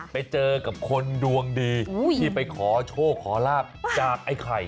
ไปเจอกับคนดวงดีที่ไปขอโชคขอลาบจากไอ้ไข่